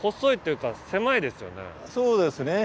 そうですね。